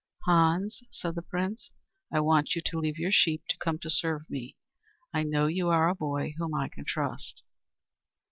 "Hans," said the Prince, "I want you to leave your sheep to come to serve me. I know you are a boy whom I can trust."